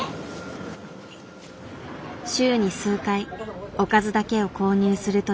週に数回おかずだけを購入するという女性。